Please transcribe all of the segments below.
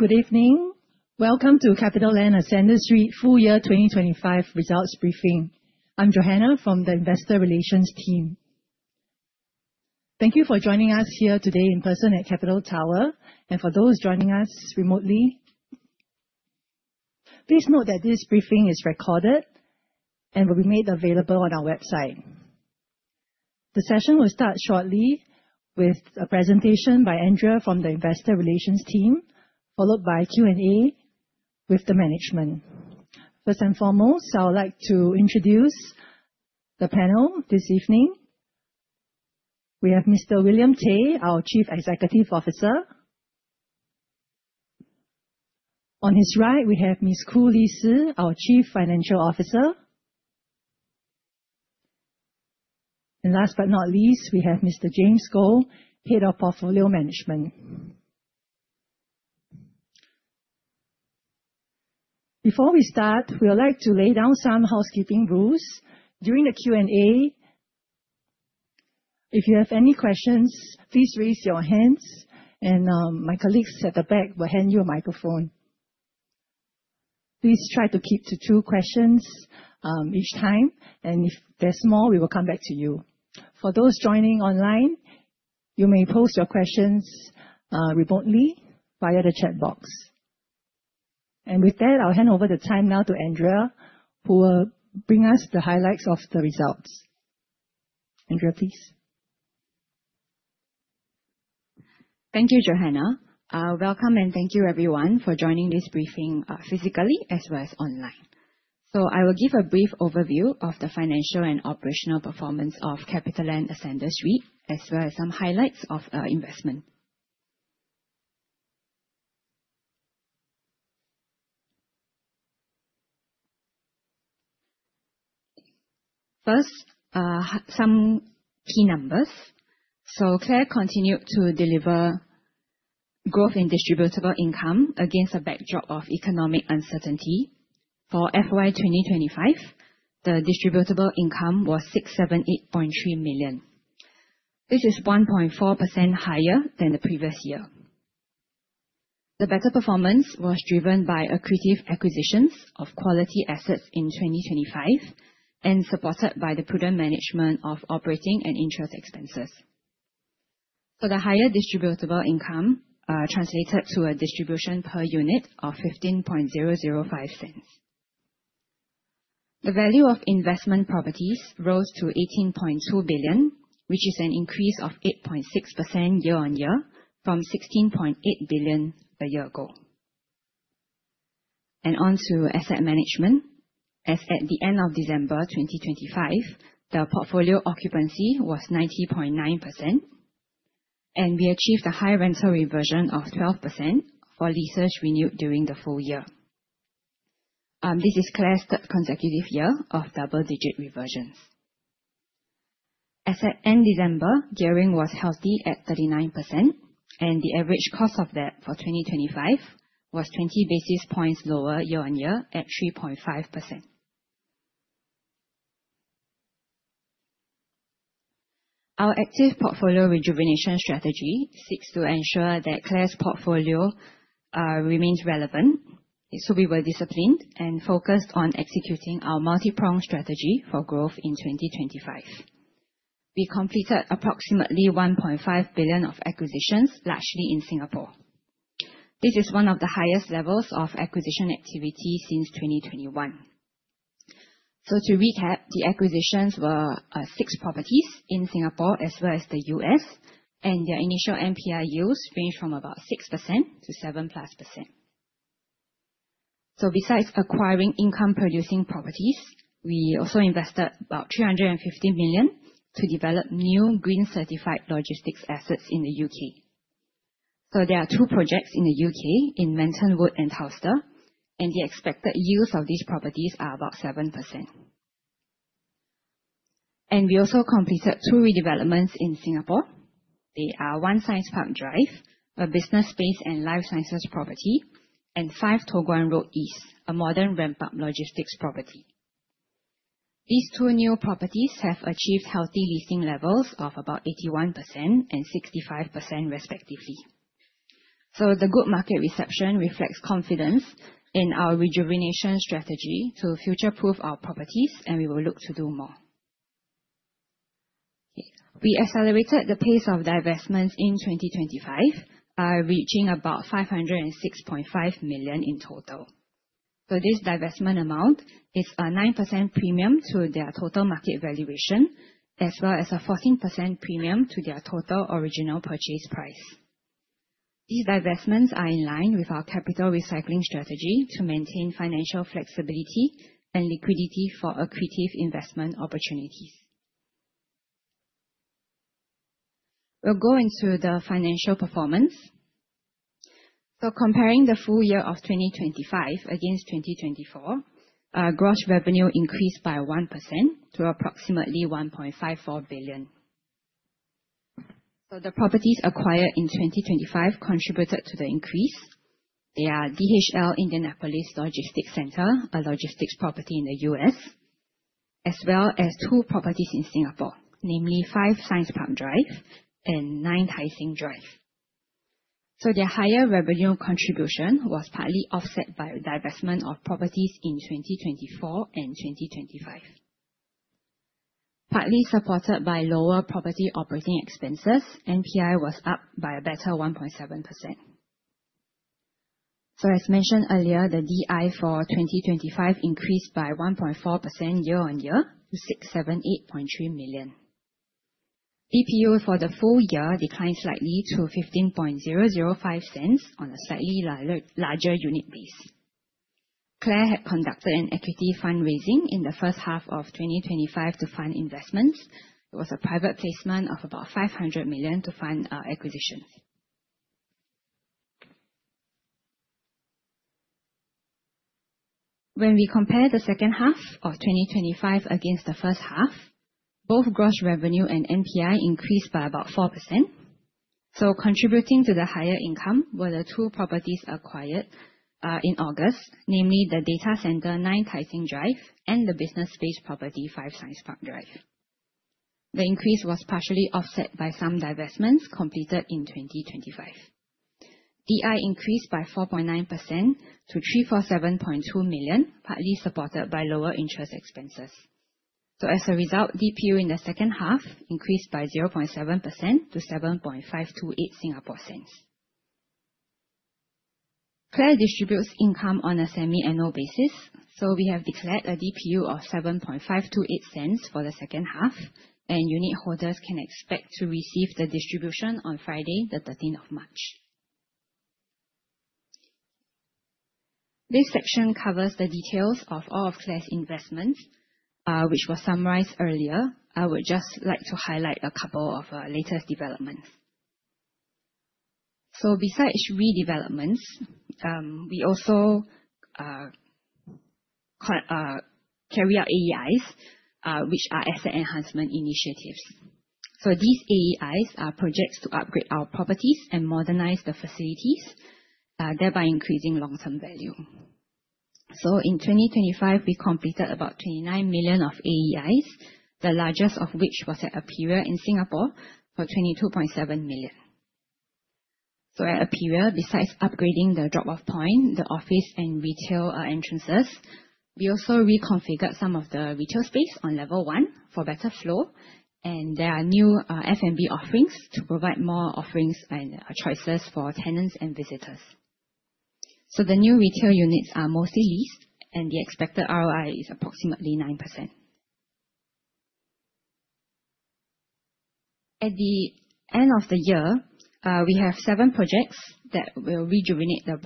Good evening. Welcome to CapitaLand Ascendas REIT full year 2025 results briefing. I am Johanna from the investor relations team. Thank you for joining us here today in person at Capital Tower. For those joining us remotely, please note that this briefing is recorded and will be made available on our website. The session will start shortly with a presentation by Andrea from the investor relations team, followed by Q&A with the management. First and foremost, I would like to introduce the panel this evening. We have Mr. William Tay, our Chief Executive Officer. On his right, we have Ms. Koo Lee Sze, our Chief Financial Officer. Last but not least, we have Mr. James Goh, Head of Portfolio Management. Before we start, we would like to lay down some housekeeping rules. During the Q&A, if you have any questions, please raise your hands and my colleagues at the back will hand you a microphone. Please try to keep to two questions each time, and if there is more, we will come back to you. For those joining online, you may post your questions remotely via the chat box. With that, I will hand over the time now to Andrea, who will bring us the highlights of the results. Andrea, please. Thank you, Johanna. Welcome and thank you everyone for joining this briefing physically as well as online. I will give a brief overview of the financial and operational performance of CapitaLand Ascendas REIT, as well as some highlights of our investment. First, some key numbers. CLAR continued to deliver growth in distributable income against a backdrop of economic uncertainty. For FY 2025, the distributable income was 678.3 million. This is 1.4% higher than the previous year. The better performance was driven by accretive acquisitions of quality assets in 2025 and supported by the prudent management of operating and interest expenses. The higher distributable income translated to a distribution per unit of 0.15005. The value of investment properties rose to 18.2 billion, which is an increase of 8.6% year-on-year from 16.8 billion a year ago. On to asset management. As at the end of December 2025, the portfolio occupancy was 90.9%, and we achieved a high rental reversion of 12% for leases renewed during the full year. This is CLAR's third consecutive year of double-digit reversions. As at end December, gearing was healthy at 39%, and the average cost of debt for 2025 was 20 basis points lower year-on-year at 3.5%. Our active portfolio rejuvenation strategy seeks to ensure that CLAR's portfolio remains relevant, so we were disciplined and focused on executing our multipronged strategy for growth in 2025. We completed approximately 1.5 billion of acquisitions, largely in Singapore. This is one of the highest levels of acquisition activity since 2021. To recap, the acquisitions were six properties in Singapore as well as the U.S., and their initial NPI yields range from about 6% to 7%-plus. Besides acquiring income-producing properties, we also invested about 350 million to develop new green-certified logistics assets in the U.K. There are two projects in the U.K., in Manton Wood and Towcester, and the expected yields of these properties are about 7%. We also completed two redevelopments in Singapore. They are One Science Park Drive, a business space and life sciences property, and 5 Toh Guan Road East, a modern ramp-up logistics property. These two new properties have achieved healthy leasing levels of about 81% and 65% respectively. The good market reception reflects confidence in our rejuvenation strategy to future-proof our properties, and we will look to do more. We accelerated the pace of divestments in 2025, reaching about 506.5 million in total. This divestment amount is a 9% premium to their total market valuation as well as a 14% premium to their total original purchase price. These divestments are in line with our capital recycling strategy to maintain financial flexibility and liquidity for accretive investment opportunities. We'll go into the financial performance. Comparing the full year of 2025 against 2024, gross revenue increased by 1% to approximately 1.54 billion. The properties acquired in 2025 contributed to the increase. They are DHL Indianapolis Logistics Center, a logistics property in the U.S. As well as two properties in Singapore, namely 5 Science Park Drive and 9 Tai Seng Drive. Their higher revenue contribution was partly offset by divestment of properties in 2024 and 2025. Partly supported by lower property operating expenses, NPI was up by a better 1.7%. As mentioned earlier, the DI for 2025 increased by 1.4% year-on-year to 678.3 million. DPU for the full year declined slightly to 0.15005 on a slightly larger unit base. CLAR had conducted an Equity Fund Raising in the first half of 2025 to fund investments. It was a private placement of about 500 million to fund our acquisition. When we compare the second half of 2025 against the first half, both gross revenue and NPI increased by about 4%. Contributing to the higher income were the two properties acquired in August, namely the data center 9 Tai Seng Drive and the business space property 5 Science Park Drive. The increase was partially offset by some divestments completed in 2025. DI increased by 4.9% to 347.2 million, partly supported by lower interest expenses. As a result, DPU in the second half increased by 0.7% to 0.07528. CLAR distributes income on a semi-annual basis. We have declared a DPU of 0.07528 for the second half, and unitholders can expect to receive the distribution on Friday, the 13th of March. This section covers the details of all of CLAR's investments, which were summarized earlier. I would just like to highlight a couple of our latest developments. Besides redevelopments, we also carry out AEIs, which are Asset Enhancement Initiatives. These AEIs are projects to upgrade our properties and modernize the facilities, thereby increasing long-term value. In 2025, we completed about 29 million of AEIs, the largest of which was at Aperia in Singapore for 22.7 million. At Aperia, besides upgrading the drop-off point, the office, and retail entrances, we also reconfigured some of the retail space on level 1 for better flow, and there are new F&B offerings to provide more offerings and choices for tenants and visitors. The new retail units are mostly leased, and the expected ROI is approximately 9%. At the end of the year, we have seven projects that will rejuvenate the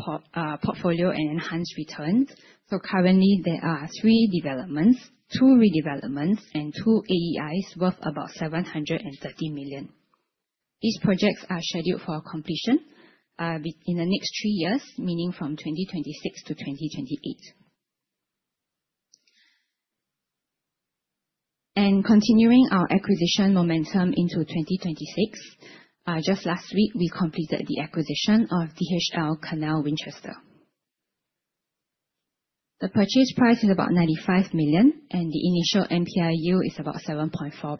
portfolio and enhance returns. Currently there are three developments, two redevelopments, and two AEIs worth about 730 million. These projects are scheduled for completion within the next three years, meaning from 2026 to 2028. Continuing our acquisition momentum into 2026, just last week, we completed the acquisition of DHL Canal Winchester. The purchase price is about 95 million, and the initial NPI yield is about 7.4%.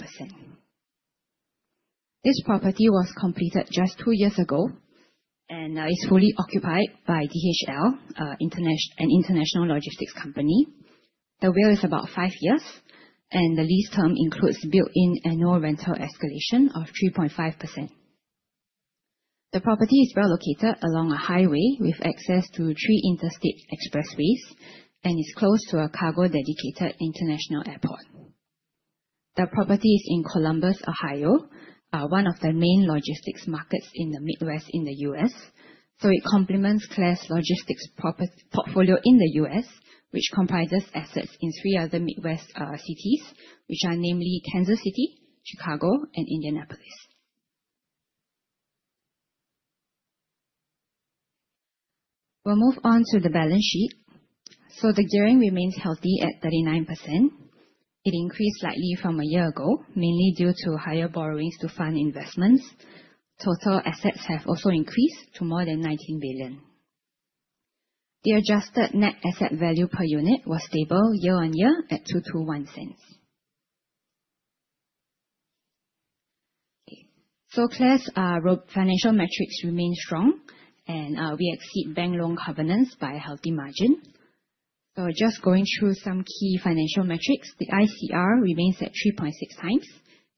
This property was completed just two years ago and is fully occupied by DHL, an international logistics company. The WALE is about five years, and the lease term includes built-in annual rental escalation of 3.5%. The property is well located along a highway with access to three interstate expressways and is close to a cargo-dedicated international airport. The property is in Columbus, Ohio, one of the main logistics markets in the Midwest in the U.S. It complements CLAR's logistics portfolio in the U.S., which comprises assets in three other Midwest cities, which are namely Kansas City, Chicago, and Indianapolis. We'll move on to the balance sheet. The gearing remains healthy at 39%. It increased slightly from a year ago, mainly due to higher borrowings to fund investments. Total assets have also increased to more than 19 billion. The adjusted net asset value per unit was stable year-on-year at 2.21. Okay. CLAR's financial metrics remain strong and we exceed bank loan governance by a healthy margin. Just going through some key financial metrics, the ICR remains at 3.6 times,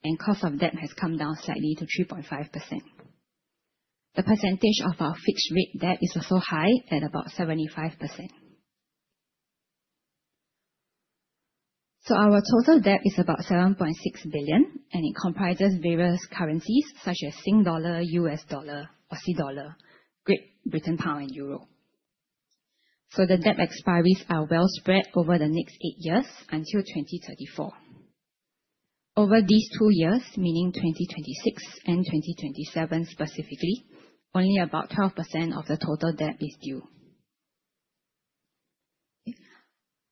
and cost of debt has come down slightly to 3.5%. The percentage of our fixed-rate debt is also high at about 75%. Our total debt is about 7.6 billion, and it comprises various currencies such as SGD, USD, AUD, GBP, and EUR. The debt expiries are well spread over the next eight years until 2034. Over these two years, meaning 2026 and 2027 specifically, only about 12% of the total debt is due.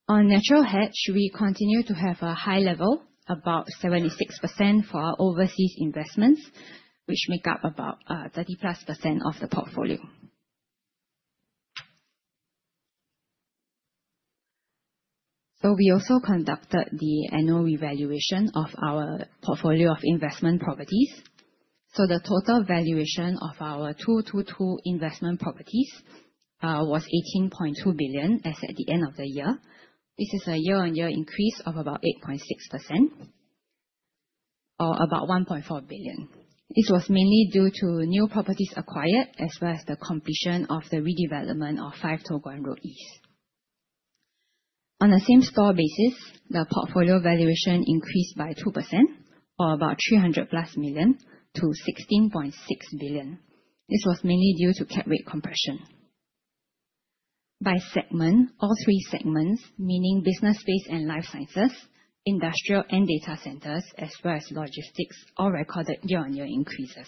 On natural hedge, we continue to have a high level, about 76% for our overseas investments, which make up about 30-plus% of the portfolio. We also conducted the annual evaluation of our portfolio of investment properties. The total valuation of our 222 investment properties was 18.2 billion as at the end of the year. This is a year-on-year increase of about 8.6%, or about 1.4 billion. This was mainly due to new properties acquired, as well as the completion of the redevelopment of 5 Toh Guan Road East. On a same store basis, the portfolio valuation increased by 2%, or about 300+ million to 16.6 billion. This was mainly due to cap rate compression. By segment, all three segments, meaning business space and life sciences, industrial, and data centers, as well as logistics, all recorded year-on-year increases.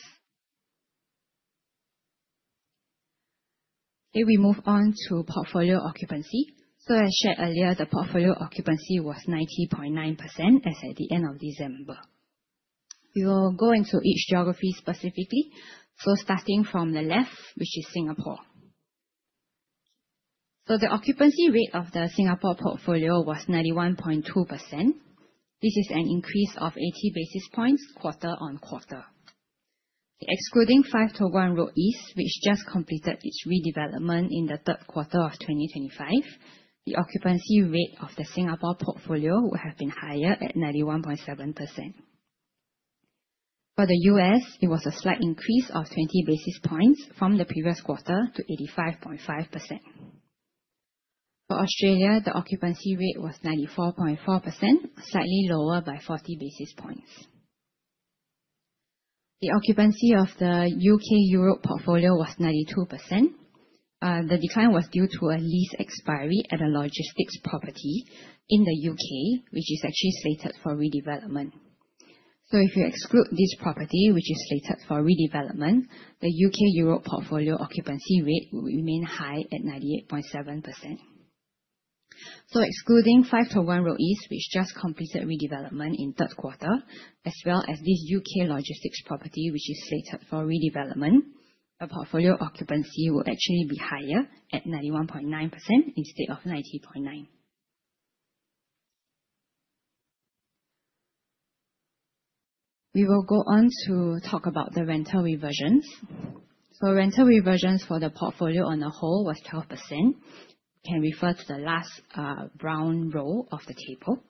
If we move on to portfolio occupancy. As shared earlier, the portfolio occupancy was 90.9% as at the end of December. We will go into each geography specifically. Starting from the left, which is Singapore. The occupancy rate of the Singapore portfolio was 91.2%. This is an increase of 80 basis points quarter-on-quarter. Excluding 5 Toh Guan Road East, which just completed its redevelopment in the third quarter of 2025, the occupancy rate of the Singapore portfolio would have been higher at 91.7%. For the U.S., it was a slight increase of 20 basis points from the previous quarter to 85.5%. For Australia, the occupancy rate was 94.4%, slightly lower by 40 basis points. The occupancy of the U.K., Europe portfolio was 92%. The decline was due to a lease expiry at a logistics property in the U.K., which is actually slated for redevelopment. If you exclude this property, which is slated for redevelopment, the U.K., Europe portfolio occupancy rate will remain high at 98.7%. Excluding 5 Toh Guan Road East, which just completed redevelopment in third quarter, as well as this U.K. logistics property, which is slated for redevelopment, our portfolio occupancy will actually be higher at 91.9% instead of 90.9%. We will go on to talk about the rental reversions. Rental reversions for the portfolio on the whole was 12%. Can refer to the last brown row of the table.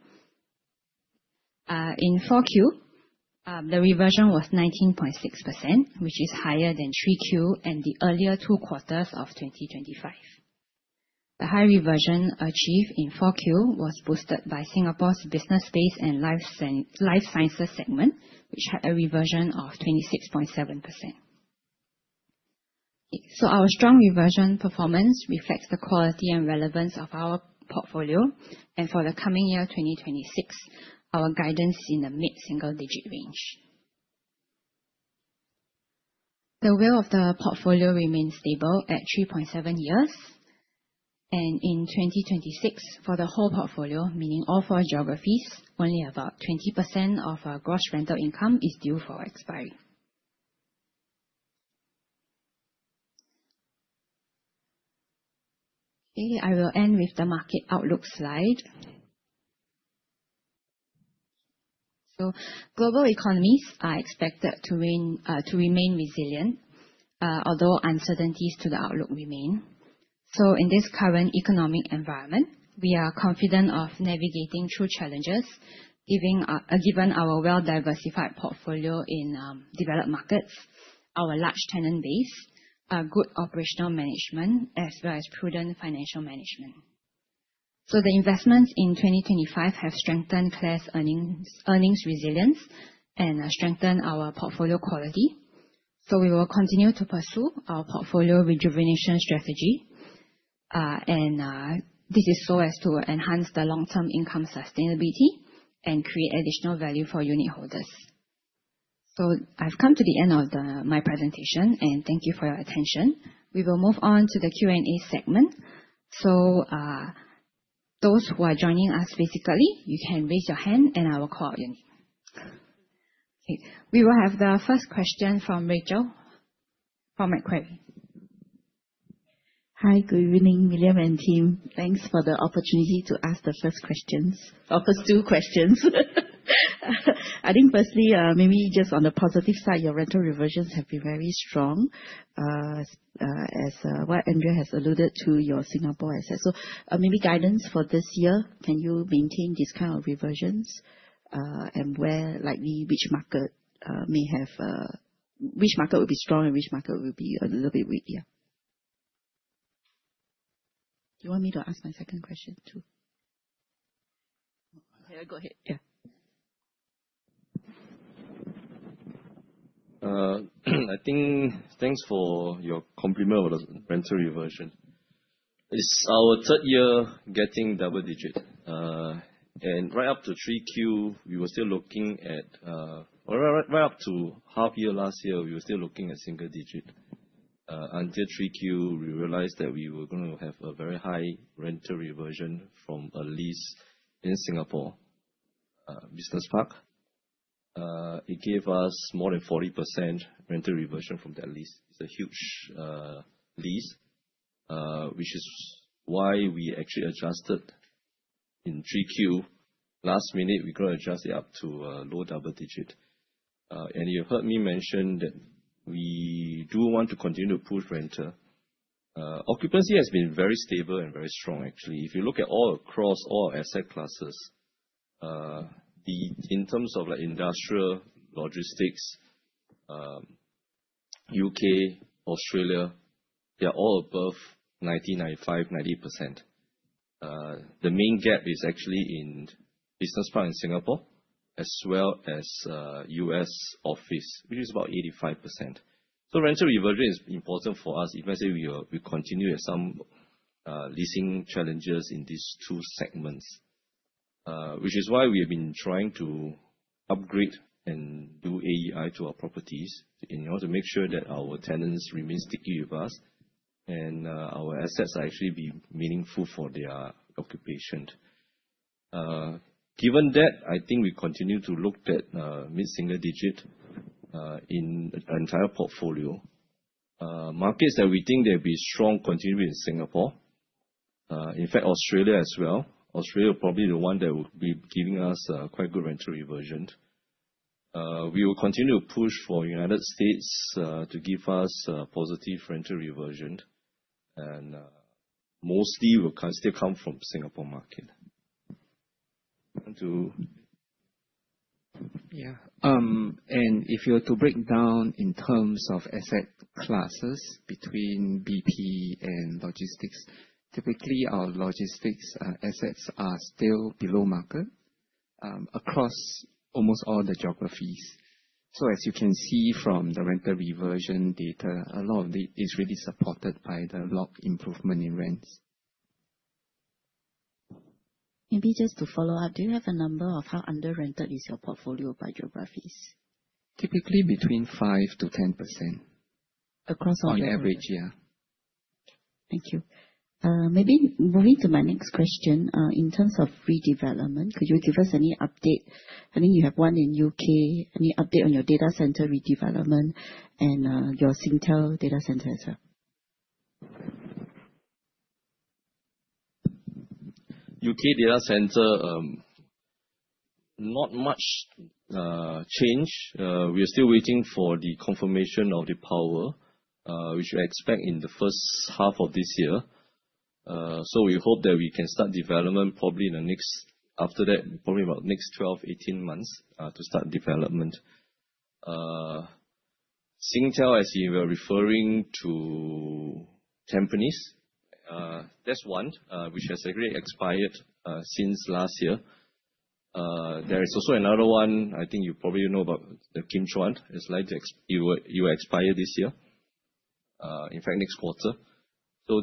In 4Q, the reversion was 19.6%, which is higher than 3Q and the earlier two quarters of 2025. The high reversion achieved in 4Q was boosted by Singapore's business space and life sciences segment, which had a reversion of 26.7%. Our strong reversion performance reflects the quality and relevance of our portfolio. And for the coming year, 2026, our guidance in the mid-single digit range. The WALE of the portfolio remains stable at 3.7 years. In 2026, for the whole portfolio, meaning all four geographies, only about 20% of our gross rental income is due for expiry. I will end with the market outlook slide. Global economies are expected to remain resilient, although uncertainties to the outlook remain. In this current economic environment, we are confident of navigating through challenges, given our well-diversified portfolio in developed markets, our large tenant base, our good operational management, as well as prudent financial management. The investments in 2025 have strengthened CLAR earnings resilience and strengthened our portfolio quality. We will continue to pursue our portfolio rejuvenation strategy, and this is so as to enhance the long-term income sustainability and create additional value for unit holders. I've come to the end of my presentation, thank you for your attention. We will move on to the Q&A segment. Those who are joining us physically, you can raise your hand and I will call on you. Okay. We will have the first question from Rachel for Macquarie. Hi, good evening, William and team. Thanks for the opportunity to ask the first questions or first two questions. Firstly, maybe just on the positive side, your rental reversions have been very strong, as what Andrea has alluded to your Singapore asset. Maybe guidance for this year, can you maintain this kind of reversions? And where likely which market will be strong and which market will be a little bit weak? Yeah. Do you want me to ask my second question, too? Okay, go ahead. Yeah. Thanks for your compliment on the rental reversion. It's our third year getting double digit. Right up to 3Q, we were still looking at single digit. Until 3Q, we realized that we were gonna have a very high rental reversion from a lease in Singapore business park. It gave us more than 40% rental reversion from that lease. It's a huge lease, which is why we actually adjusted in 3Q. Last minute, we could adjust it up to low double digit. You've heard me mention that we do want to continue to push rent. Occupancy has been very stable and very strong, actually. If you look at all across all asset classes, in terms of industrial logistics, U.K., Australia, they are all above 90%, 95%, 98%. The main gap is actually in business park in Singapore, as well as US office, which is about 85%. Rental reversion is important for us if, let's say, we continue with some leasing challenges in these two segments, which is why we have been trying to upgrade and do AEI to our properties in order to make sure that our tenants remain sticky with us and our assets are actually be meaningful for their occupation. Given that, I think we continue to look at mid-single digit in entire portfolio. Markets that we think they'll be strong continue in Singapore. In fact, Australia as well. Australia probably the one that will be giving us quite good rental reversion. We will continue to push for United States to give us positive rental reversion. Mostly will still come from Singapore market. Yeah. If you were to break down in terms of asset classes between BP and logistics, typically our logistics assets are still below market, across almost all the geographies. As you can see from the rental reversion data, a lot of it is really supported by the large improvement in rents. Maybe just to follow up, do you have a number of how under rented is your portfolio by geographies? Typically between 5%-10%. Across all. On average, yeah. Thank you. Maybe moving to my next question, in terms of redevelopment, could you give us any update? I think you have one in U.K. Any update on your data center redevelopment and your Singtel data center as well? U.K. data center, not much change. We are still waiting for the confirmation of the power, which we expect in the first half of this year. We hope that we can start development probably in the next, after that, probably about next 12, 18 months, to start development. Singtel, I see you're referring to Tampines. That's one which has already expired since last year. There is also another one, I think you probably know about the Kim Chuan. It will expire this year, in fact, next quarter.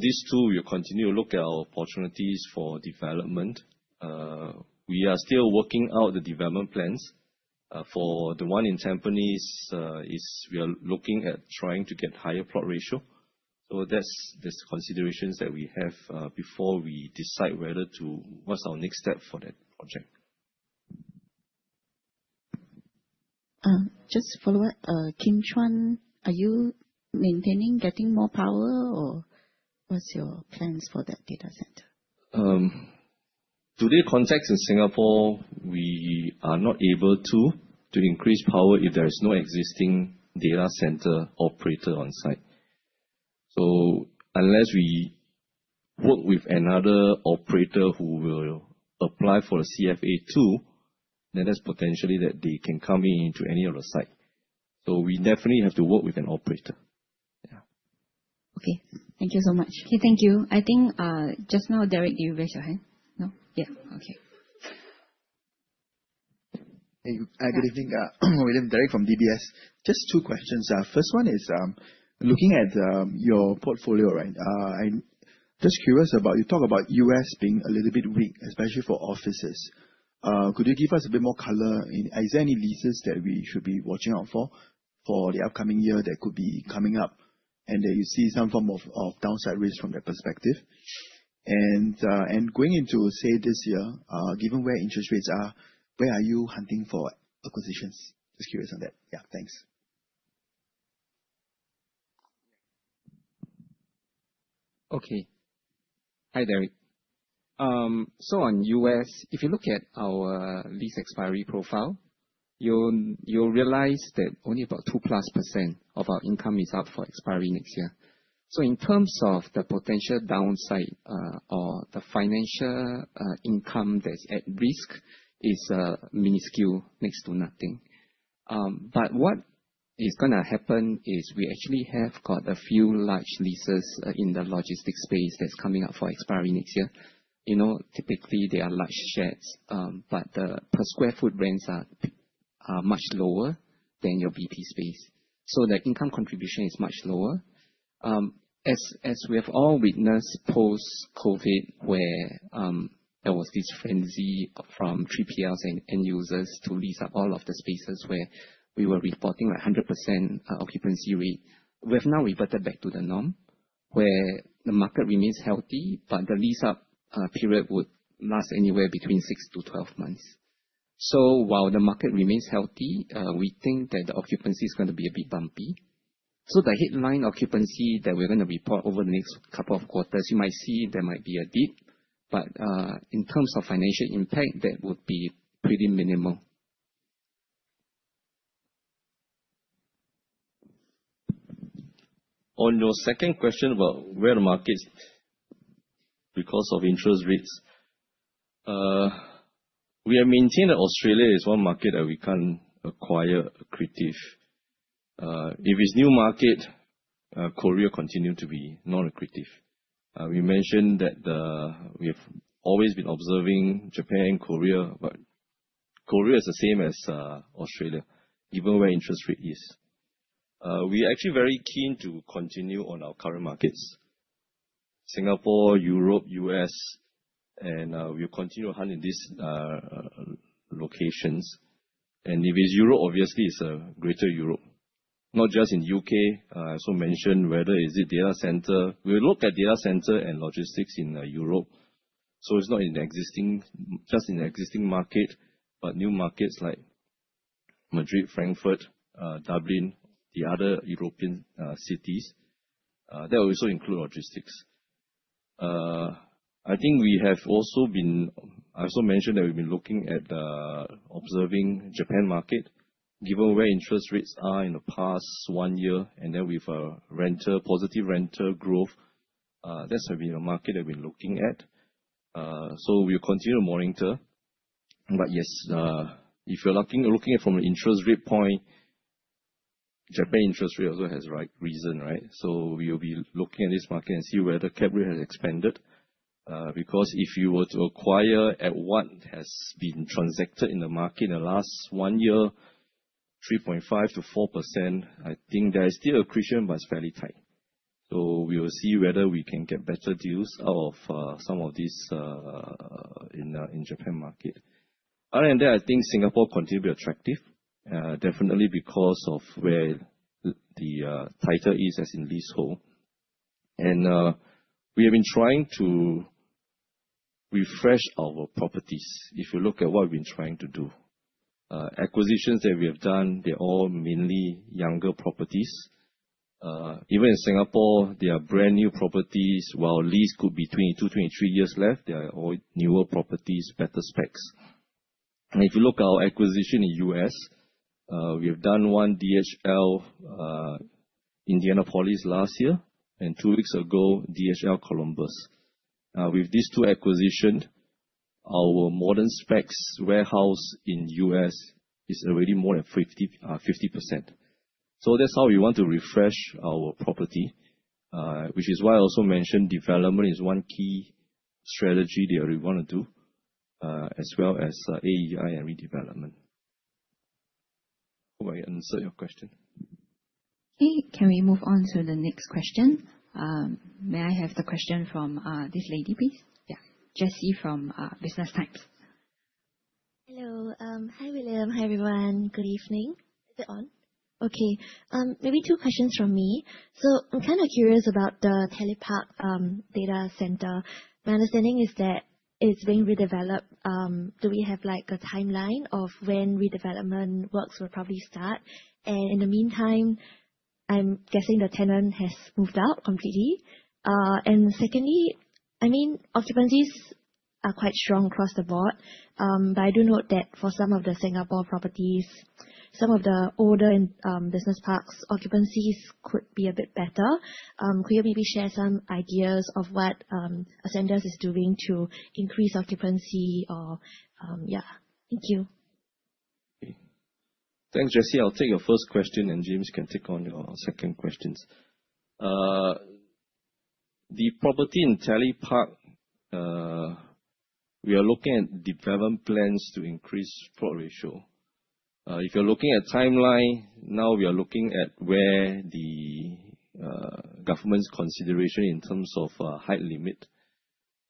These two, we continue to look at opportunities for development. We are still working out the development plans. For the one in Tampines, we are looking at trying to get higher plot ratio. That's considerations that we have before we decide what's our next step for that project. Just to follow up, Kim Chuan, are you maintaining getting more power, or what's your plans for that data center? Today context in Singapore, we are not able to increase power if there is no existing data center operator on site. Unless we work with another operator who will apply for a CFA 2, then that's potentially that they can come in into any other site. We definitely have to work with an operator. Yeah. Okay. Thank you so much. Okay, thank you. I think, just now, Derek, you raised your hand. No? Yeah. Okay. Good evening. William Derek from DBS. Just two questions. First one is, looking at your portfolio, I'm just curious, you talk about U.S. being a little bit weak, especially for offices. Could you give us a bit more color? Is there any leases that we should be watching out for the upcoming year that could be coming up, and that you see some form of downside risk from that perspective? Going into, say, this year, given where interest rates are, where are you hunting for acquisitions? Just curious on that. Yeah, thanks. Okay. Hi, Derek. On U.S., if you look at our lease expiry profile, you'll realize that only about two plus % of our income is up for expiry next year. In terms of the potential downside, or the financial income that's at risk is minuscule, next to nothing. What is going to happen is we actually have got a few large leases in the logistics space that's coming up for expiry next year. Typically, they are large sheds, but the per square foot rents are much lower than your BP space, so the income contribution is much lower. As we have all witnessed post-COVID, where there was this frenzy from 3PLs and end users to lease up all of the spaces where we were reporting 100% occupancy rate, we've now reverted back to the norm. Where the market remains healthy, but the lease-up period would last anywhere between six to 12 months. While the market remains healthy, we think that the occupancy is going to be a bit bumpy. The headline occupancy that we're going to report over the next couple of quarters, you might see there might be a dip, but in terms of financial impact, that would be pretty minimal. On your second question about where the market is because of interest rates. We have maintained that Australia is one market that we can't acquire accretive. If it's new market, Korea continue to be not accretive. We mentioned that we have always been observing Japan, Korea, but Korea is the same as Australia, even where interest rate is. We are actually very keen to continue on our current markets, Singapore, Europe, U.S., and we'll continue to hunt in these locations. If it's Europe, obviously it's greater Europe, not just in U.K. I also mentioned whether is it data center. We look at data center and logistics in Europe, so it's not just in existing market, but new markets like Madrid, Frankfurt, Dublin, the other European cities. That will also include logistics. I also mentioned that we've been looking at observing Japan market, given where interest rates are in the past one year, then with positive rental growth, that's a market that we're looking at. We'll continue to monitor. Yes, if you're looking at from an interest rate point, Japan interest rate also has risen, right? We'll be looking at this market and see whether cap rate has expanded. Because if you were to acquire at what has been transacted in the market in the last one year, 3.5%-4%, I think there is still accretion but it's fairly tight. We will see whether we can get better deals out of some of these in Japan market. Other than that, I think Singapore continue to be attractive, definitely because of where the title is as in leasehold. We have been trying to refresh our properties. If you look at what we're trying to do, acquisitions that we have done, they're all mainly younger properties. Even in Singapore, they are brand-new properties while lease could be 22, 23 years left. They are all newer properties, better specs. If you look our acquisition in U.S., we have done one DHL Indianapolis last year, and two weeks ago, DHL Canal Winchester. With these two acquisitions, our modern specs warehouse in U.S. is already more than 50%. That's how we want to refresh our property, which is why I also mentioned development is one key strategy that we want to do, as well as AEI and redevelopment. Hope I answered your question. Can we move on to the next question? May I have the question from this lady, please? Jessie from The Business Times. Hello. Hi, William. Hi, everyone. Good evening. Is it on? Maybe two questions from me. I'm kind of curious about the Telepark data center. My understanding is that it's being redeveloped. Do we have a timeline of when redevelopment works will probably start? In the meantime, I'm guessing the tenant has moved out completely. Secondly, occupancies are quite strong across the board. I do note that for some of the Singapore properties, some of the older business parks occupancies could be a bit better. Could you maybe share some ideas of what Ascendas is doing to increase occupancy? Thank you. Thanks, Jessie. I'll take your first question, and James can take on your second questions. The property in Telepark, we are looking at development plans to increase plot ratio. If you're looking at timeline, now we are looking at where the government's consideration in terms of height limit.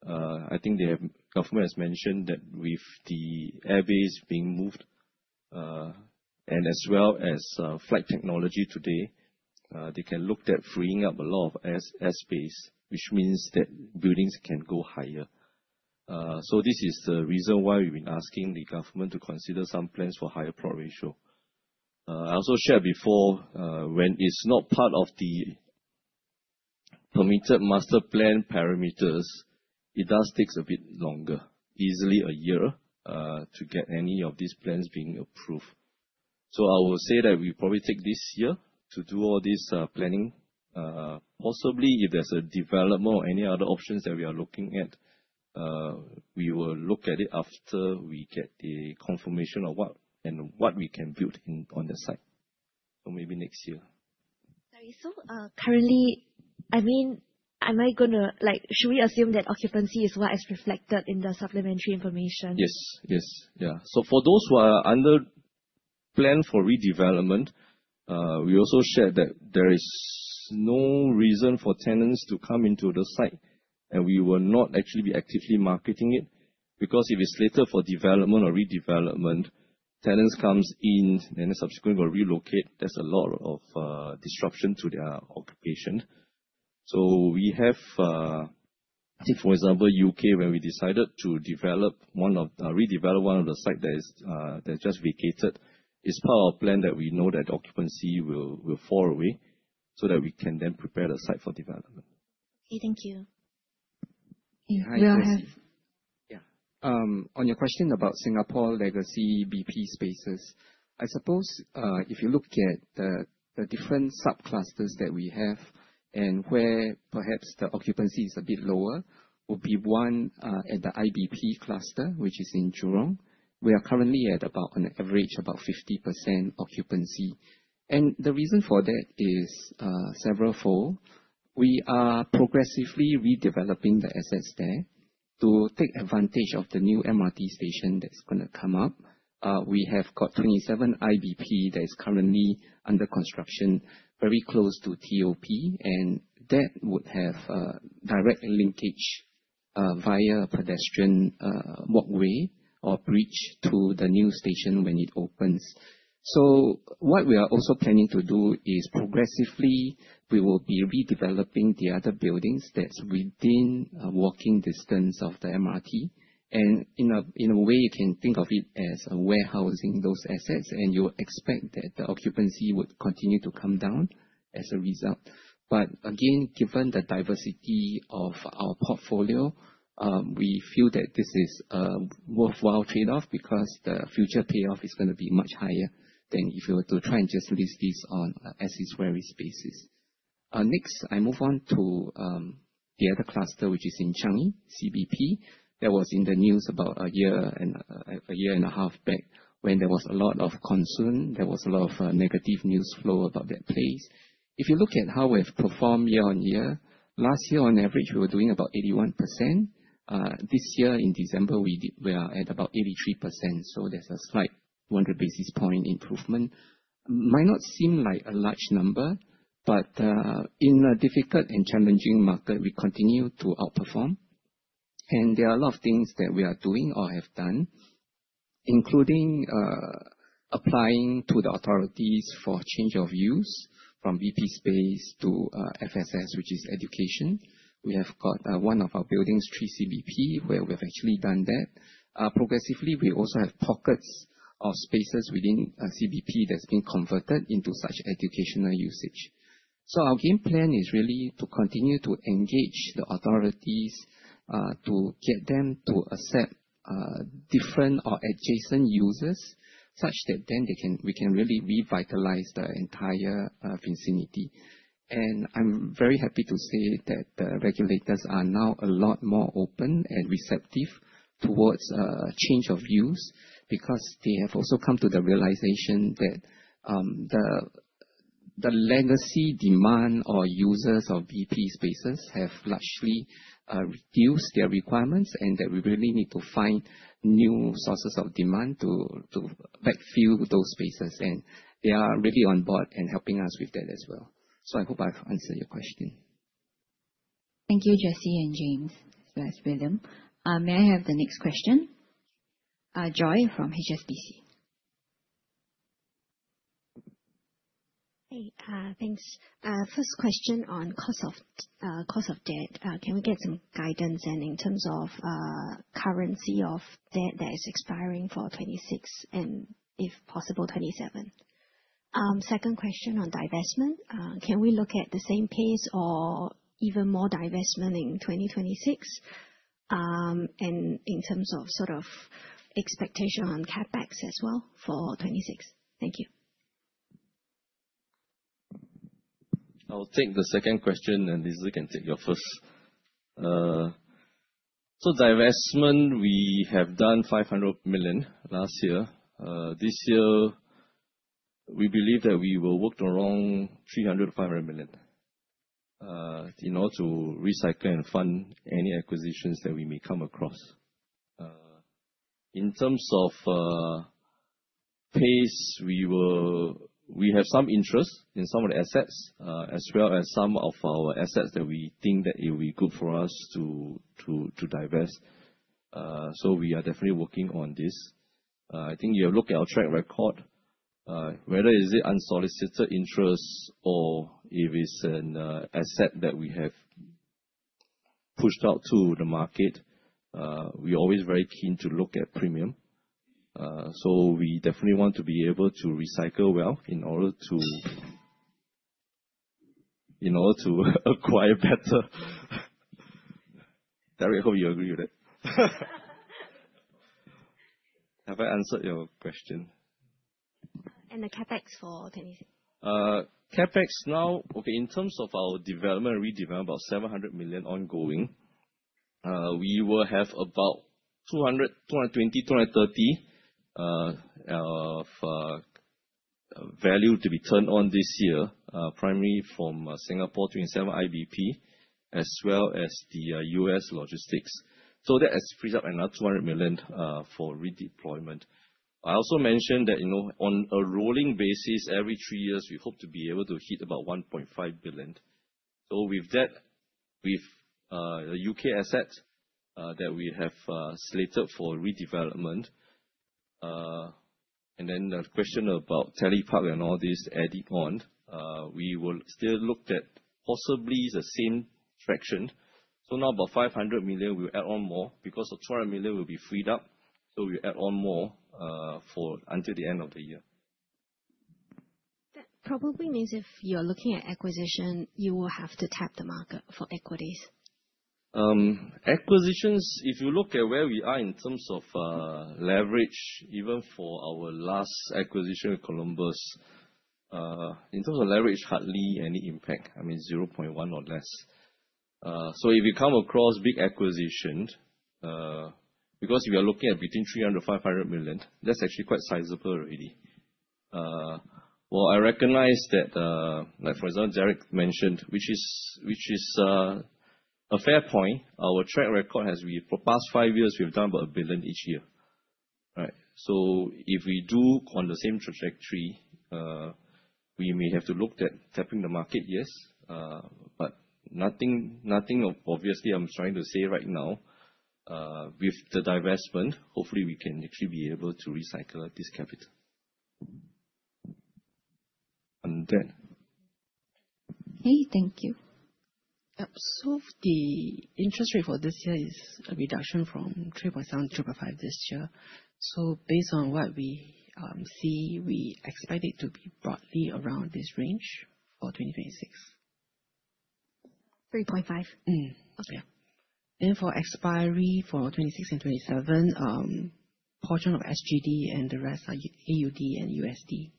I think the government has mentioned that with the air base being moved, and as well as flight technology today, they can look at freeing up a lot of air space, which means that buildings can go higher. This is the reason why we've been asking the government to consider some plans for higher plot ratio. I also shared before, when it's not part of the permitted master plan parameters, it does takes a bit longer, easily a year, to get any of these plans being approved. I will say that we probably take this year to do all this planning. Possibly, if there's a development or any other options that we are looking at, we will look at it after we get the confirmation of what and what we can build on the site. Maybe next year. Sorry. Currently, should we assume that occupancy is what is reflected in the supplementary information? Yes. Yeah. For those who are under plan for redevelopment, we also shared that there is no reason for tenants to come into the site, and we will not actually be actively marketing it, because if it's slated for development or redevelopment. Tenants comes in and then subsequently will relocate. There's a lot of disruption to their occupation. For example, U.K., where we decided to redevelop one of the site that's just vacated, is part of our plan that we know that occupancy will fall away, so that we can then prepare the site for development. Okay, thank you. Hi, Jessie. On your question about Singapore legacy BP spaces, I suppose, if you look at the different subclusters that we have and where perhaps the occupancy is a bit lower, will be one at the IBP cluster, which is in Jurong. We are currently at about an average about 50% occupancy. The reason for that is severalfold. We are progressively redeveloping the assets there to take advantage of the new MRT station that's going to come up. We have got 27 IBP that is currently under construction, very close to TOP, and that would have direct linkage via pedestrian walkway or bridge to the new station when it opens. What we are also planning to do is, progressively, we will be redeveloping the other buildings that's within walking distance of the MRT, and in a way you can think of it as a warehousing those assets, and you expect that the occupancy would continue to come down as a result. Again, given the diversity of our portfolio, we feel that this is a worthwhile trade-off because the future payoff is going to be much higher than if you were to try and just lease these on an as-is-where-is basis. Next, I move on to the other cluster, which is in Changi, CBP. That was in the news about a year and a half back, when there was a lot of concern, there was a lot of negative news flow about that place. If you look at how we have performed year on year, last year on average, we were doing about 81%. This year in December, we are at about 83%, there's a slight 100-basis-point improvement. Might not seem like a large number, but in a difficult and challenging market, we continue to outperform. There are a lot of things that we are doing or have done, including applying to the authorities for change of use from BP space to FSS, which is education. We have got one of our buildings, 3 CBP, where we have actually done that. Progressively, we also have pockets of spaces within CBP that's been converted into such educational usage. Our game plan is really to continue to engage the authorities, to get them to accept different or adjacent users, such that then we can really revitalize the entire vicinity. I'm very happy to say that the regulators are now a lot more open and receptive towards change of use because they have also come to the realization that the legacy demand or users of BP spaces have largely reduced their requirements and that we really need to find new sources of demand to backfill those spaces. They are really on board and helping us with that as well. I hope I've answered your question. Thank you, Jessie and James. Yes, William. May I have the next question? Joy from HSBC. Hey, thanks. First question on cost of debt. Can we get some guidance and in terms of currency of debt that is expiring for 2026 and, if possible, 2027? Second question on divestment. Can we look at the same pace or even more divestment in 2026? In terms of expectation on CapEx as well for 2026. Thank you. I will take the second question, and Koo Lee Sze can take your first. Divestment, we have done 500 million last year. This year, we believe that we will work around 300 million-500 million in order to recycle and fund any acquisitions that we may come across. In terms of pace, we have some interest in some of the assets, as well as some of our assets that we think that it will be good for us to divest. We are definitely working on this. I think you look at our track record, whether is it unsolicited interest or if it's an asset that we have pushed out to the market, we're always very keen to look at premium. We definitely want to be able to recycle well in order to acquire better. Derek, hope you agree with that. Have I answered your question? The CapEx for 2026. CapEx now, in terms of our development and redevelop, about 700 million ongoing. We will have about 200, 220, 230 of value to be turned on this year, primarily from Singapore 27 IBP, as well as the U.S. logistics. That has freed up another 200 million for redeployment. I also mentioned that, on a rolling basis, every three years, we hope to be able to hit about 1.5 billion. With that, with U.K. assets that we have slated for redevelopment. The question about Telepark and all this adding on, we will still look at possibly the same fraction. Now about 500 million, we'll add on more because of 200 million will be freed up. We add on more for until the end of the year. That probably means if you are looking at acquisition, you will have to tap the market for equities. Acquisitions, if you look at where we are in terms of leverage, even for our last acquisition with Columbus, in terms of leverage, hardly any impact, 0.1 or less. If you come across big acquisitions, because we are looking at between 300 million-500 million, that's actually quite sizable already. While I recognize that, for example, Derek mentioned, which is a fair point, our track record for the past five years, we've done about 1 billion each year, right? If we do on the same trajectory, we may have to look at tapping the market, yes. Nothing, obviously, I'm trying to say right now, with the divestment, hopefully we can actually be able to recycle this capital. I'm done. Okay. Thank you. The interest rate for this year is a reduction from 3.7%-3.5% this year. Based on what we see, we expect it to be broadly around this range for 2026. 3.5? Okay. Yeah. For expiry for 2026 and 2027, portion of SGD and the rest are AUD and USD.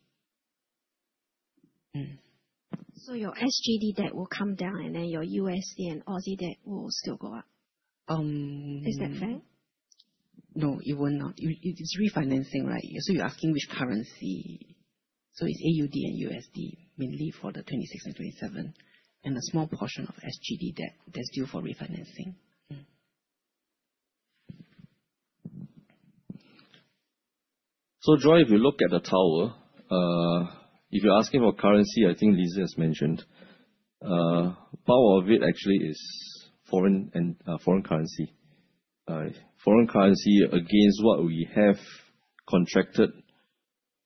Your SGD debt will come down, your USD and Aussie debt will still go up. Is that fair? No, it will not. It is refinancing, right? You're asking which currency. It's AUD and USD mainly for the 2026 and 2027, a small portion of SGD debt that's due for refinancing. Joy, if you look at the tower, if you are asking about currency, I think Lee Sze has mentioned. Part of it actually is foreign currency. Foreign currency against what we have contracted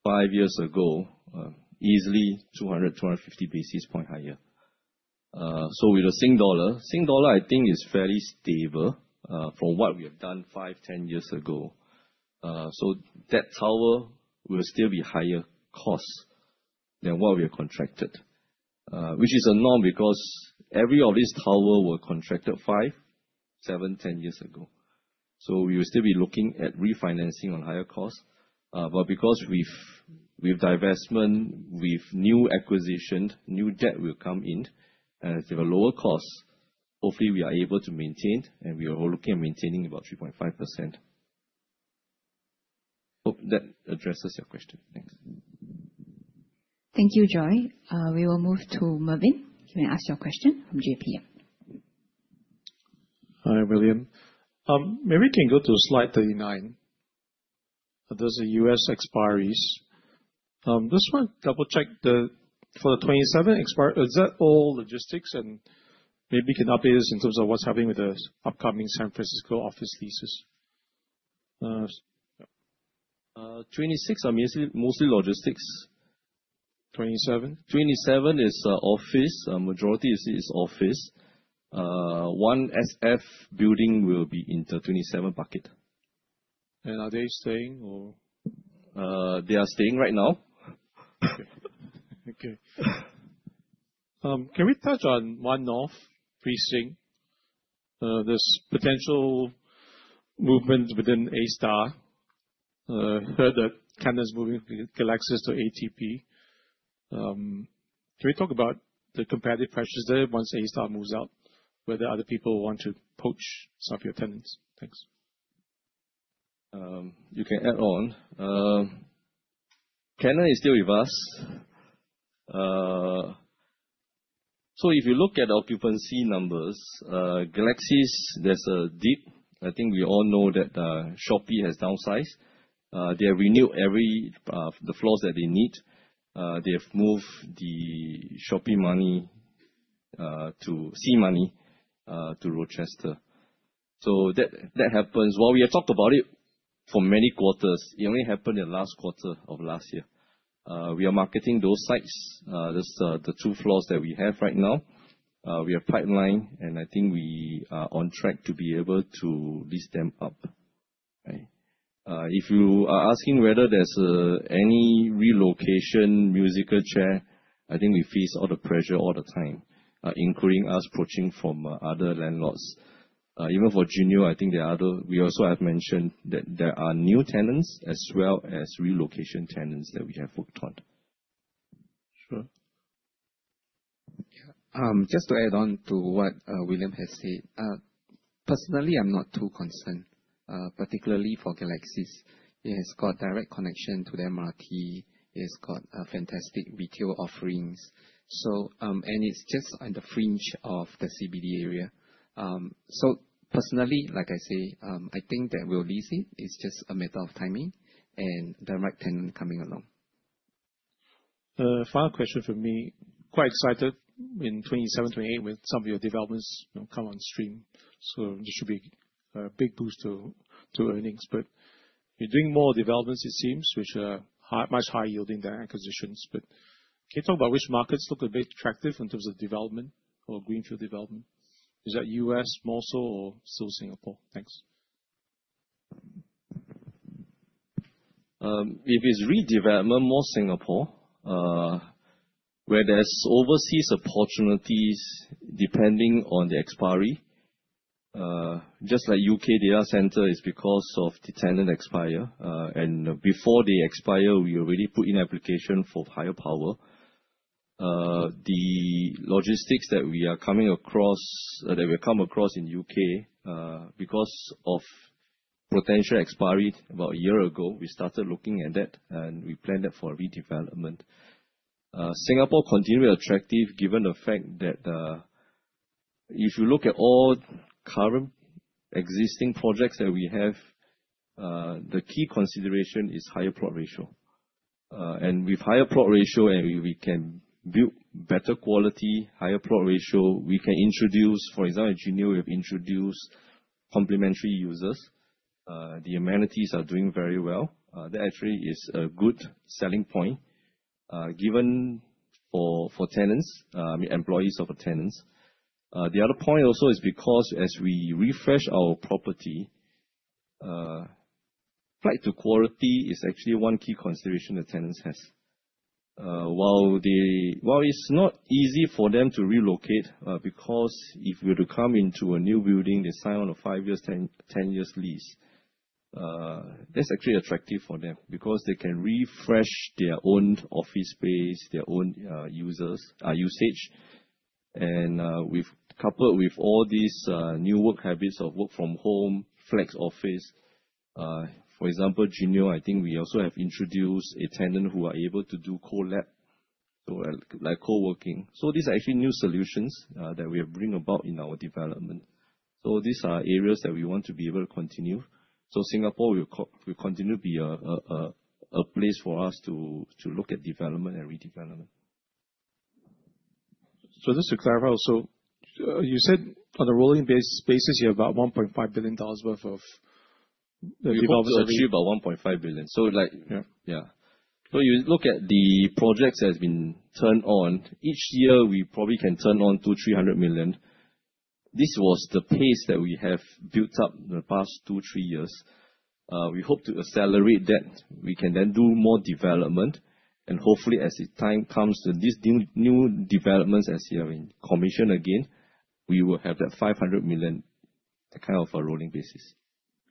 five years ago, easily 200, 250 basis points higher. With the Sing Dollar, Sing Dollar I think is fairly stable from what we have done five, 10 years ago. That tower will still be higher cost than what we have contracted. Which is a norm because every of these towers were contracted five, seven, 10 years ago. We will still be looking at refinancing on higher cost. Because with divestment, with new acquisition, new debt will come in at a lower cost. Hopefully we are able to maintain, and we are all looking at maintaining about 3.5%. Hope that addresses your question. Thanks. Thank you, Joy. We will move to Mervin. You may ask your question from JPM. Hi, William. Maybe we can go to slide 39. Those are U.S. expiries. Just want to double-check for the 2027 expiry, is that all logistics? And maybe you can update us in terms of what is happening with the upcoming San Francisco office leases. 2026 are mostly logistics. '27? 2027 is office. Majority is office. One SF building will be in the 2027 bucket. Are they staying, or? They are staying right now. Okay. Can we touch on One-north precinct? There's potential movement within A*STAR. Heard that Canon's moving Galaxis to ATP. Can we talk about the competitive pressures there once A*STAR moves out, whether other people want to poach some of your tenants? Thanks. You can add on. Canon is still with us. If you look at occupancy numbers, Galaxis, there's a dip. I think we all know that Shopee has downsized. They have renewed the floors that they need. They have moved the ShopeePay to SeaMoney, to Rochester. That happens. While we have talked about it for many quarters, it only happened in last quarter of last year. We are marketing those sites. There are the two floors that we have right now. We have pipelined, and I think we are on track to be able to lease them up. Right? If you are asking whether there's any relocation musical chair, I think we face all the pressure all the time, including us poaching from other landlords. Even for Geneo, we also have mentioned that there are new tenants as well as relocation tenants that we have worked on. Sure. Just to add on to what William has said. Personally, I'm not too concerned, particularly for Galaxis. It has got direct connection to the MRT, it's got fantastic retail offerings. It's just on the fringe of the CBD area. Personally, like I say, I think that we'll lease it. It's just a matter of timing and the right tenant coming along. Final question from me. Quite excited in 2027, 2028 with some of your developments come on stream. This should be a big boost to earnings. You're doing more developments it seems, which are much higher yielding than acquisitions. Can you talk about which markets look a bit attractive in terms of development or greenfield development? Is that U.S. more so, or still Singapore? Thanks. If it's redevelopment, more Singapore. Where there's overseas opportunities, depending on the expiry. Just like U.K. data center is because of the tenant expire. Before they expire, we already put in application for higher power. The logistics that we come across in U.K., because of potential expiry about a year ago, we started looking at that and we planned that for redevelopment. Singapore continue attractive given the fact that, if you look at all current existing projects that we have, the key consideration is higher plot ratio. With higher plot ratio, we can build better quality. Higher plot ratio, we can introduce, for example, at J'NO we have introduced complementary users. The amenities are doing very well. That actually is a good selling point for employees of our tenants. The other point also is because as we refresh our property, flight to quality is actually one key consideration the tenants has. While it's not easy for them to relocate, because if we were to come into a new building, they sign on a 5 years, 10 years lease. That's actually attractive for them because they can refresh their own office space, their own usage. Coupled with all these new work habits of work from home, flex office, for example, J'NO, I think we also have introduced a tenant who are able to do co-lab, like co-working. These are actually new solutions that we have bring about in our development. These are areas that we want to be able to continue. Singapore will continue to be a place for us to look at development and redevelopment. Just to clarify also, you said on a rolling basis you have about 1.5 billion dollars worth of- We've obviously about 1.5 billion. Yeah. Yeah. You look at the projects that has been turned on, each year we probably can turn on 200 million, 300 million. This was the pace that we have built up in the past two, three years. We hope to accelerate that. We can then do more development, and hopefully as the time comes to these new developments as you are in commission again, we will have that 500 million, that kind of a rolling basis.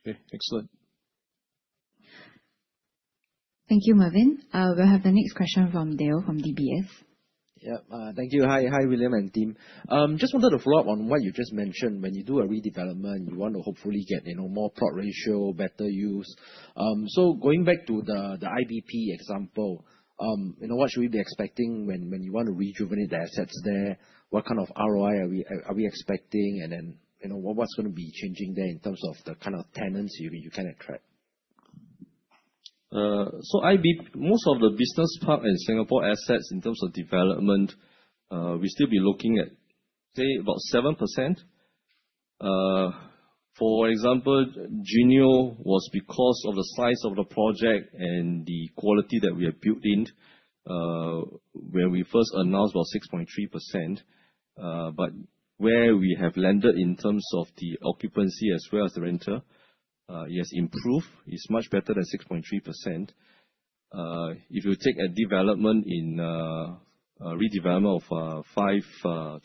Okay. Excellent. Thank you, Mervin. We'll have the next question from Dale, from DBS. Yep. Thank you. Hi, William and team. Just wanted to follow up on what you just mentioned. When you do a redevelopment, you want to hopefully get more plot ratio, better use. Going back to the IBP example, what should we be expecting when you want to rejuvenate the assets there? What kind of ROI are we expecting? Then, what's going to be changing there in terms of the kind of tenants you can attract? IBP, most of the business park and Singapore assets in terms of development, we still be looking at, say about 7%. For example, J'NO was because of the size of the project and the quality that we have built in, when we first announced about 6.3%. Where we have landed in terms of the occupancy as well as the renter, it has improved. It's much better than 6.3%. If you take a redevelopment of 5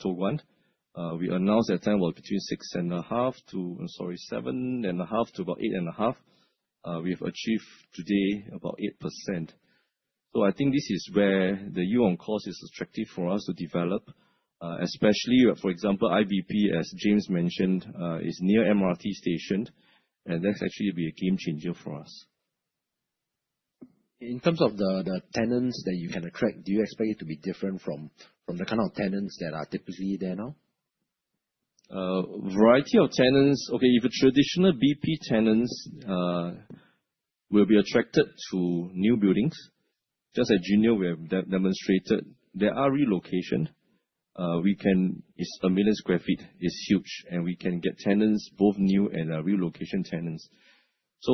Toh Guan, we announced that time between 7.5%-8.5%. We have achieved today about 8%. I think this is where the yield on cost is attractive for us to develop, especially, for example, IBP, as James mentioned, is near MRT station, and that's actually be a game changer for us. In terms of the tenants that you can attract, do you expect it to be different from the kind of tenants that are typically there now? Variety of tenants. Okay, if a traditional BP tenants will be attracted to new buildings, just like Geneo we have demonstrated, there are relocation. It is 1 million sq ft. It is huge, and we can get tenants, both new and relocation tenants.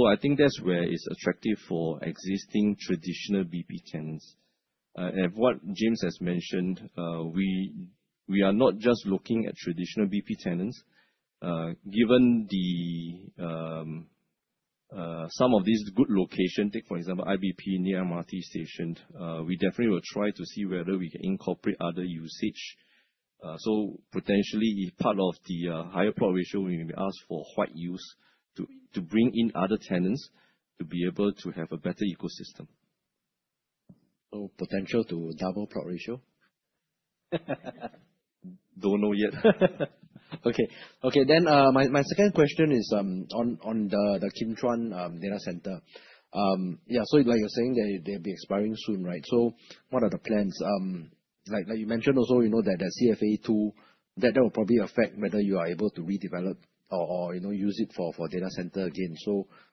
I think that is where it is attractive for existing traditional BP tenants. What James has mentioned, we are not just looking at traditional BP tenants. Given some of these good location, take for example, IBP near MRT station, we definitely will try to see whether we can incorporate other usage. Potentially, if part of the higher plot ratio, we may be asked for wider use to bring in other tenants to be able to have a better ecosystem. Potential to double plot ratio? Don't know yet. My second question is on the Kim Chuan data center. Like you're saying, they'll be expiring soon, right? What are the plans? Like you mentioned also, that the CFA tool, that will probably affect whether you are able to redevelop or use it for data center again.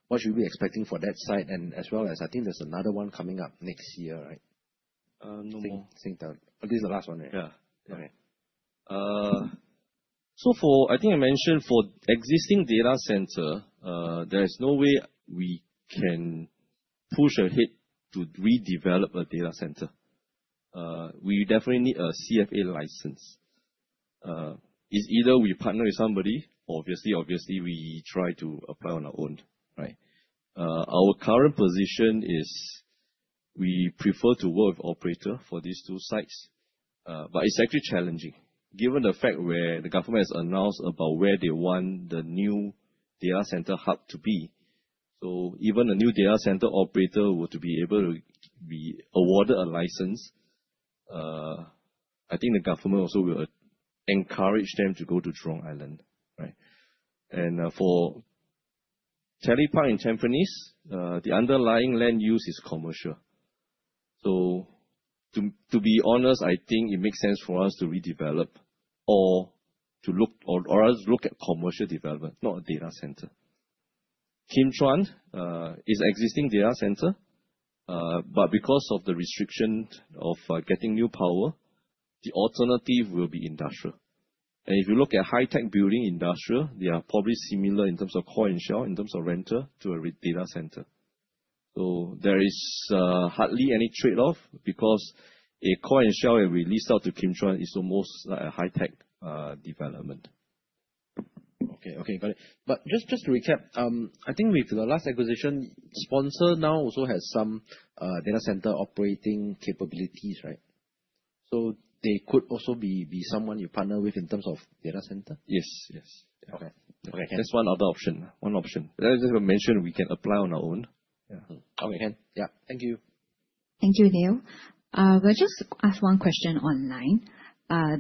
What should we be expecting for that site and as well as, I think there's another one coming up next year, right? No more. Same term. This is the last one, right? Yeah. Okay. I think I mentioned for existing data center, there is no way we can push ahead to redevelop a data center. We definitely need a CFA license. It's either we partner with somebody or obviously we try to apply on our own. Our current position is we prefer to work with operator for these two sites. It's actually challenging given the fact where the government has announced about where they want the new data center hub to be. Even a new data center operator were to be able to be awarded a license, I think the government also will encourage them to go to Jurong Island. For Telepark in Tampines, the underlying land use is commercial. To be honest, I think it makes sense for us to redevelop or else look at commercial development, not a data center. Kim Chuan is existing data center. Because of the restriction of getting new power, the alternative will be industrial. If you look at high-tech building industrial, they are probably similar in terms of core and shell, in terms of rental to a data center. There is hardly any trade-off because a core and shell, if we lease out to Kim Chuan, is the most high-tech development. Okay. Got it. Just to recap, I think with the last acquisition, sponsor now also has some data center operating capabilities, right? They could also be someone you partner with in terms of data center? Yes. Okay. That's one other option. One option. As I just mentioned, we can apply on our own. Yeah. We can. Thank you. Thank you, Dale. We'll just ask one question online.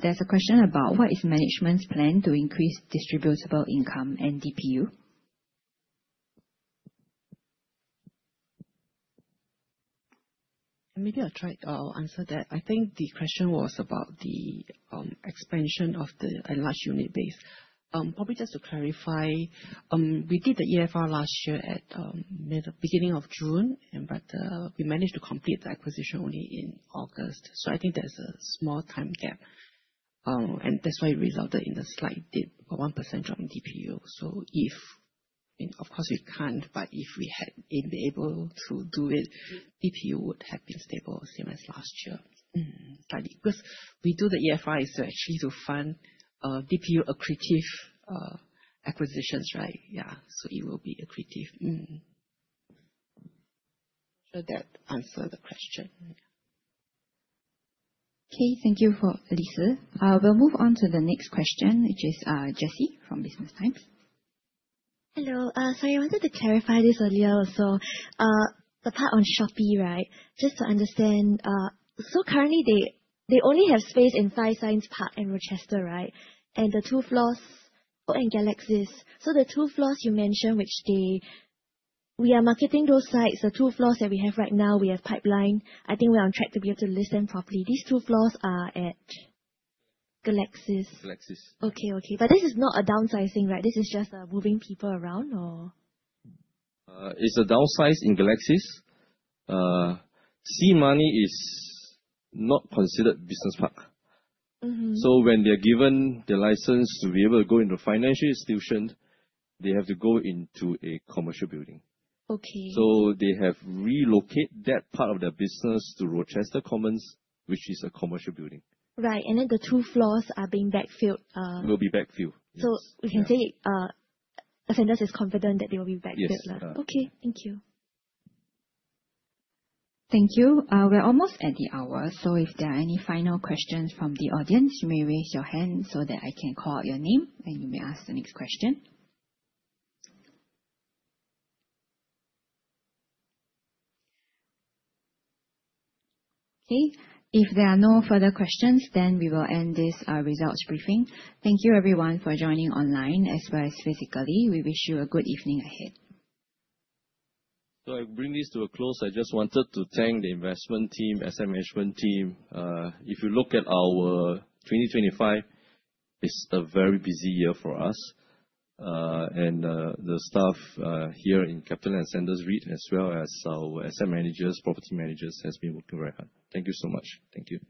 There's a question about what is management's plan to increase distributable income and DPU? Maybe I'll try to answer that. I think the question was about the expansion of the enlarged unit base. Probably just to clarify, we did the EFR last year at the beginning of June. We managed to complete the acquisition only in August. I think there's a small time gap. That's why it resulted in the slight dip of 1% drop in DPU. Of course, we can't, but if we had been able to do it, DPU would have been stable, same as last year. We do the EFR to actually to fund DPU accretive acquisitions. It will be accretive. I'm sure that answered the question. Okay. Thank you for Koo Lee Sze. We'll move on to the next question, which is Jessie from Business Times. Hello. Sorry, I wanted to clarify this earlier also. The part on Shopee. Just to understand. Currently they only have space in Science Park and Rochester, and the two floors, and Galaxis. The two floors you mentioned, which we are marketing those sites, the two floors that we have right now, we have pipeline. I think we're on track to be able to lease them properly. These two floors are at Galaxis. Galaxis. Okay. This is not a downsizing. This is just moving people around or? It's a downsize in Galaxis. SeaMoney is not considered business park. When they are given the license to be able to go into financial institution, they have to go into a commercial building. Okay. They have relocated that part of their business to Rochester Commons, which is a commercial building. Right. The two floors are being backfilled. Will be backfilled. Yes. We can say Ascendas is confident that they will be backfilled? Yes. Okay. Thank you. Thank you. We're almost at the hour, if there are any final questions from the audience, you may raise your hand so that I can call out your name, and you may ask the next question. Okay. If there are no further questions, we will end this results briefing. Thank you everyone for joining online as well as physically. We wish you a good evening ahead. I bring this to a close. I just wanted to thank the investment team, asset management team. If you look at our 2025, it's a very busy year for us. The staff here in CapitaLand Ascendas REIT, as well as our asset managers, property managers, has been working very hard. Thank you so much. Thank you